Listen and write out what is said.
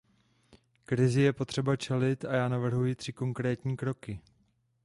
Krizi je potřeba čelit a já navrhuji tři konkrétní kroky.